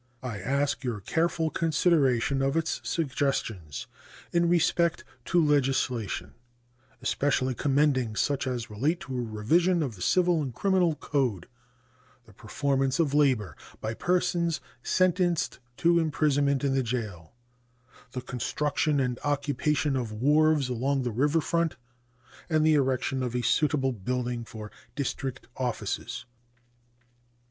I ask your careful consideration of its suggestions in respect to legislation, especially commending such as relate to a revision of the civil and criminal code, the performance of labor by persons sentenced to imprisonment in the jail, the construction and occupation of wharves along the river front, and the erection of a suitable building for District offices.